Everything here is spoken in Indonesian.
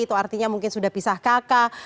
itu artinya mungkin sudah pisah kakak